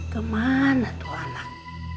kemana tuh anak